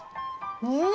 うん！